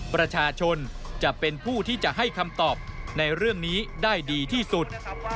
ประชาชนจะเป็นผู้ที่จะให้คำตอบในเรื่องนี้ได้ดีที่สุด